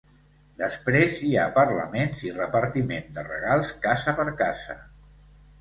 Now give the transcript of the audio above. Després hi ha parlaments i repartiment de regals casa per casa.